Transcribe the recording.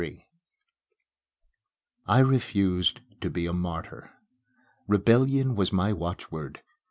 XXXIII I refused to be a martyr. Rebellion was my watchword.